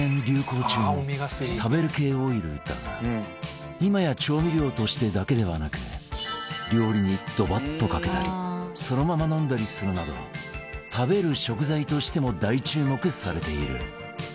流行中の食べる系オイルだが今や調味料としてだけではなく料理にドバッとかけたりそのまま飲んだりするなど食べる食材としても大注目されている